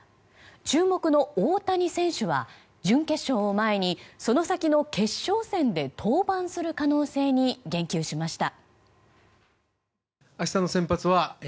注目の大谷選手は準決勝を前にその先の決勝戦で登板する可能性に言及しました。